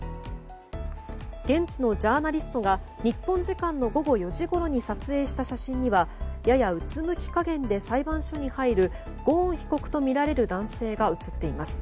現地のジャーナリストが日本時間の午後４時ごろに撮影した写真にはややうつむき加減で裁判所に入るゴーン被告とみられる男性が写っています。